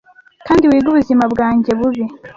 Kandi wige ubuzima bwanjye bubi;